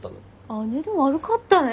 姉で悪かったね。